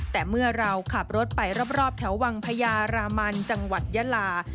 แต่เมื่อเราขับรถไปรอบแถววังพญารามันจังหวัดยาลา